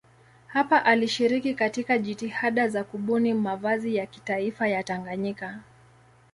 Hapa alishiriki katika jitihada za kubuni mavazi ya kitaifa ya Tanganyika.